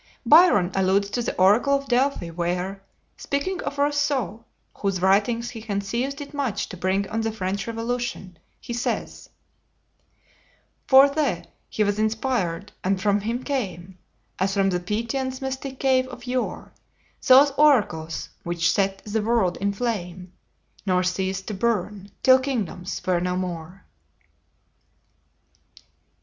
Byron alludes to the oracle of Delphi where, speaking of Rousseau, whose writings he conceives did much to bring on the French revolution, he says: "For the, he was inspired, and from him came, As from the Pythian's mystic cave of yore, Those oracles which set the world in flame, Nor ceased to burn till kingdoms were no more."